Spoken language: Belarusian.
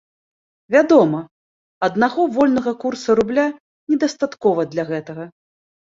Вядома, аднаго вольнага курса рубля недастаткова для гэтага.